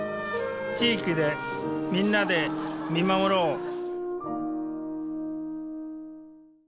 地域でみんなで見守ろう